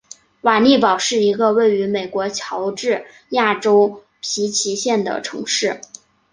瓦利堡是一个位于美国乔治亚州皮奇县的城市。